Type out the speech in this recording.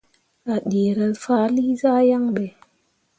A ɗeera faali zah yaŋ ɓe.